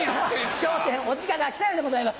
『笑点』お時間が来たようでございます